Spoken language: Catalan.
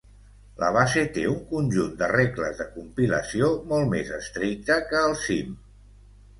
La base té un conjunt de regles de compilació molt més estricte que el cim.